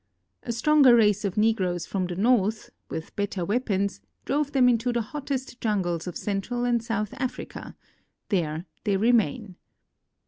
A stronger race of negroes from the north, with better weapons, drove them into the hottest jungles of Central and South Africa ; there they remain.